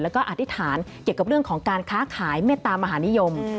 แล้วก็อธิษฐานเกี่ยวกับเรื่องของการค้าขายเมตตามหานิยม